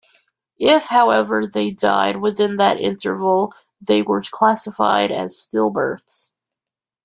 If, however, they died within that interval, they were classified as stillbirths.